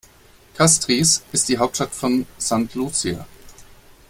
Castries ist die Hauptstadt von St. Lucia.